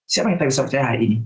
siapa yang kita bisa percaya hari ini